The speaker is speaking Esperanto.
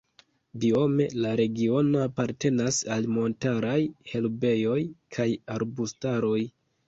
Biome la regiono apartenas al la montaraj herbejoj kaj arbustaroj.